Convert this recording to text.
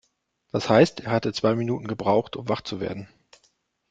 Das heißt, er hatte zwei Minuten gebraucht, um wach zu werden.